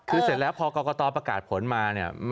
คือเสร็จแล้วพอกรกตประกาศผลมาเนี่ย